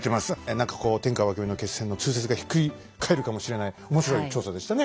何かこう天下分け目の決戦の通説がひっくり返るかもしれない面白い調査でしたね